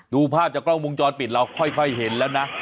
ดูภาพจากกล้องวงจรปิดเราค่อยเห็นแล้วนะ